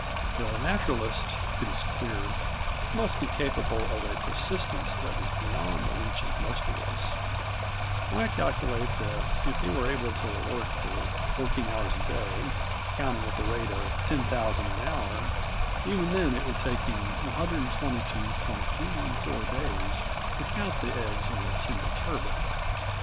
The naturalist, it is clear, must be capable of a persistence that is beyond the reach of most of us. I calculate that, if he were able to work for 14 hours a day, counting at the rate of 10,000 an hour, even then it would take him 122 214 days to count the eggs of a single turbot.